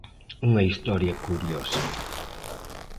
Unha historia curiosa.